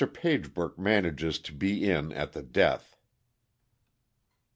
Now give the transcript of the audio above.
Pagebrook Manages to be in at the Death.